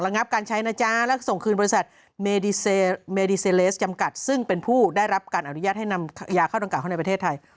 งับการใช้นะจ๊ะแล้วก็ส่งคืนบริษัทเมดีเซเมดีเซเลสจำกัดซึ่งเป็นผู้ได้รับการอนุญาตให้นำยาเข้าดังกล่าเข้าในประเทศไทย